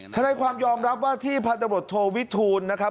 เขาได้ความยอมรับว่าที่พัดดะบดโทวิทูลนะครับ